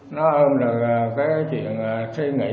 nó ôm lời cái chuyện suy nghĩ